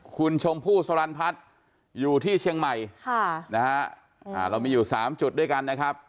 คุณชมพู่สรรพัฒน์อยู่ที่เชียงใหม่ค่ะนะฮะเรามีอยู่๓จุดด้วยกันนะครับ